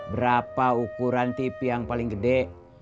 berapa ukuran tv yang paling gede